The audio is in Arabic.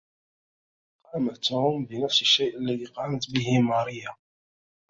قام توم بنفس الشيء الذي قامت به ماريا